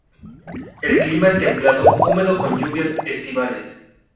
El clima es templado húmedo con lluvias estivales.